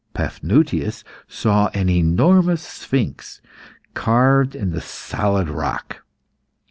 Paphnutius saw an enormous sphinx carved in the solid rock.